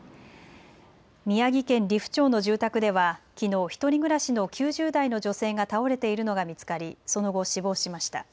宮城県利府町の住宅ではきのう１人暮らしの９０代の女性が倒れているのが見つかりその後、死亡しました。